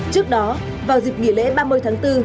trước đó vào dịp nghỉ lễ ba mươi tháng bốn